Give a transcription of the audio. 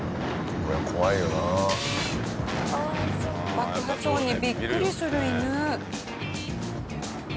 爆発音にビックリする犬。